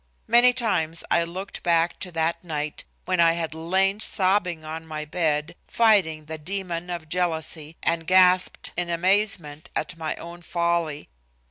Many times I looked back to that night when I had lain sobbing on my bed, fighting the demon of jealousy and gasped in amazement at my own folly.